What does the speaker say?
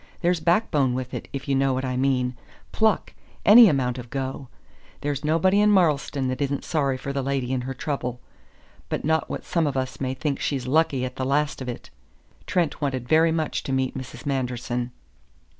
There's backbone with it, if you know what I mean pluck any amount of go. There's nobody in Marlstone that isn't sorry for the lady in her trouble not but what some of us may think she's lucky at the last of it." Trent wanted very much to meet Mrs. Manderson.